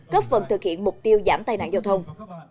góp phần thực hiện mục tiêu giảm tai nạn giao thông